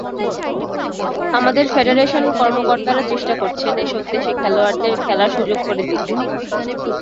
আমাদের ফেডারেশন কর্মকর্তারা চেষ্টা করছেন এসব দেশে খেলোয়াড়দের খেলার সুযোগ করে দিতে।